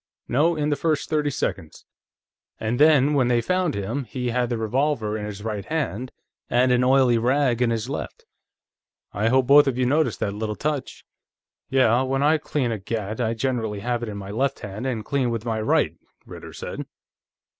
No, in the first thirty seconds. And then, when they found him, he had the revolver in his right hand, and an oily rag in his left. I hope both of you noticed that little touch." "Yeah. When I clean a gat, I generally have it in my left hand, and clean with my right," Ritter said.